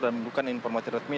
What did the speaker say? dan bukan informasi resmi